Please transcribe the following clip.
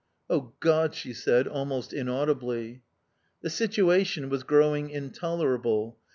"Oh, God!" she said, almost inaudibly. The situation was growing intolerable.